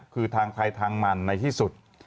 คือทางใครทางมันในที่สุด